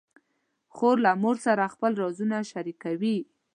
خور له مور سره خپل رازونه شریکوي.